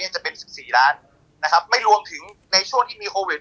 จะเป็น๑๔ล้านนะครับไม่รวมถึงในช่วงที่มีโควิด